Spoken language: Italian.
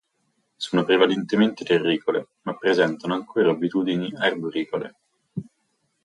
Sono prevalentemente terricole, ma presentano ancora abitudini arboricole.